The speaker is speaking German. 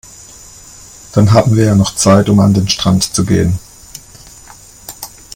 Dann haben wir ja noch Zeit, um an den Strand zu gehen.